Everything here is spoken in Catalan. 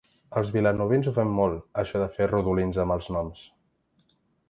Els vilanovins ho fem molt, això de fer rodolins amb els noms.